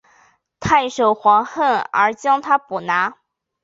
太守怀恨而将他捕拿。